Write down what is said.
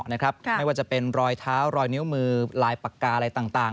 ไม่ว่าจะเป็นรอยเท้ารอยนิ้วมือลายปากกาอะไรต่าง